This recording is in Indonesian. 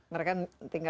mereka tingkat naikin harga